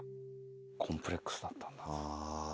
コンプレックスだったんだ。